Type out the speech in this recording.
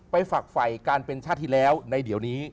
ไปฝักฝัยที่แล้ว